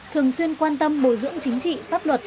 thường xuyên quan tâm bồi dưỡng chính trị pháp luật